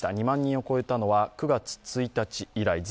２万人を超えたのは９月１日以来。